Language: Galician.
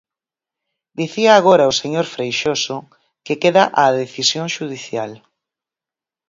Dicía agora o señor Freixoso que queda á decisión xudicial.